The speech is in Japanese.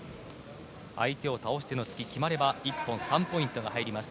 相手を倒しての突きが決まれば１本３ポイントが入ります。